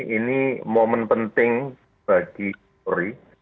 ini momen penting bagi polri